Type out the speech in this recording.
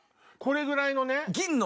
これぐらいのね。